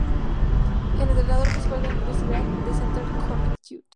Es entrenador principal en la Universidad de Central Connecticut.